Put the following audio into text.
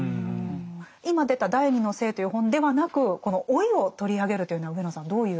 今出た「第二の性」という本ではなくこの「老い」を取り上げるというのは上野さんどういう？